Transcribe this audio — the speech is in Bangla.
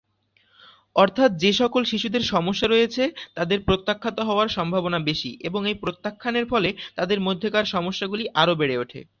অর্থাৎ যেসকল শিশুদের সমস্যা রয়েছে তাদের প্রত্যাখ্যাত হওয়ার সম্ভাবনা বেশি এবং এই প্রত্যাখ্যানের ফলে তাদের মধ্যেকার সমস্যাগুলি আরো বেড়ে ওঠে।